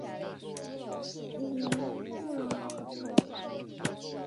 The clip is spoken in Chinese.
穆龙人口变化图示